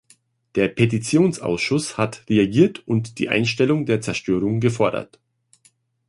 Der Petitionsausschuss hat reagiert und die Einstellung der Zerstörung gefordert.